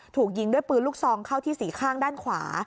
ถูกยิงด้วยปืนลูกซองเข้าที่สี่ข้างด้านขวา